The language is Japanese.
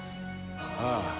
ああ。